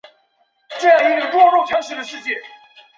震撼花样滑冰界的恶女主角的最凶传说就这样开始了！